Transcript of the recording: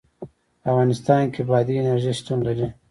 په افغانستان کې بادي انرژي شتون لري.